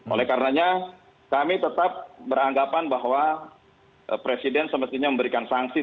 oleh karenanya kami tetap beranggapan bahwa presiden semestinya memberikan sanksi